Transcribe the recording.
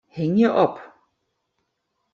Hingje op.